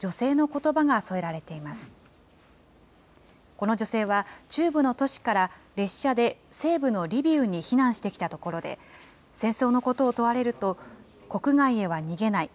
この女性は、中部の都市から列車で西部のリビウに避難してきたところで、戦争のことを問われると、国外へは逃げない。